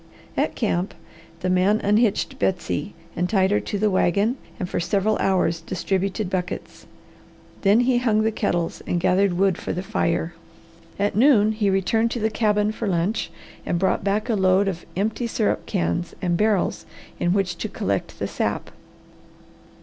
At camp the man unhitched Betsy and tied her to the wagon and for several hours distributed buckets. Then he hung the kettles and gathered wood for the fire. At noon he returned to the cabin for lunch and brought back a load of empty syrup cans, and barrels in which to collect the sap.